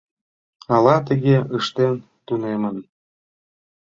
Ала тыге ыштен тунемын?